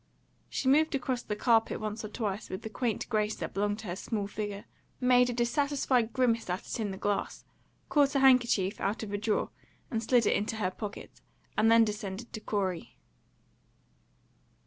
She moved across the carpet once or twice with the quaint grace that belonged to her small figure, made a dissatisfied grimace at it in the glass, caught a handkerchief out of a drawer and slid it into her pocket, and then descended to Corey.